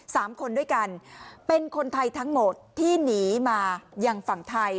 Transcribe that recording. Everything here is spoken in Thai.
สามคนด้วยกันเป็นคนไทยทั้งหมดที่หนีมายังฝั่งไทย